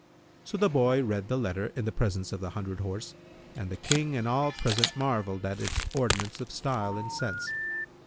So the boy read the letter in the presence of the hundred horse, and the King and all present marvelled at its ordinance of style and sense.